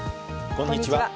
こんにちは。